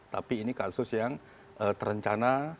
tapi ini kasus yang terencana